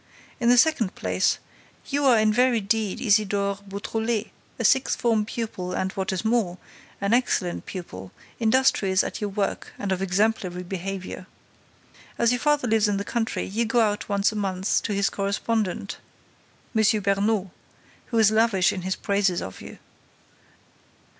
In the second place, you are in very deed Isidore Beautrelet, a sixth form pupil and, what is more, an excellent pupil, industrious at your work and of exemplary behavior. As your father lives in the country, you go out once a month to his correspondent, M. Bernod, who is lavish in his praises of you."